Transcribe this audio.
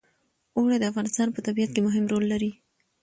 اوړي د افغانستان په طبیعت کې مهم رول لري.